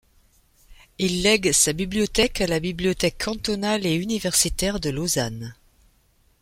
Il lègue sa bibliothèque à la Bibliothèque cantonale et universitaire de Lausanne.